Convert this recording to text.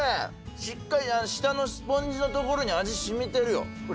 しっかり下のスポンジのところに味しみてるよ。